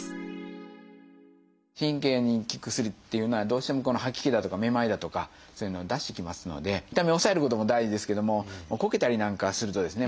神経に効く薬っていうのはどうしても吐き気だとかめまいだとかそういうのを出してきますので痛みを抑えることも大事ですけどもこけたりなんかするとですね